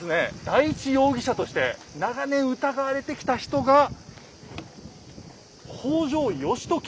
第１容疑者として長年疑われてきた人が北条義時。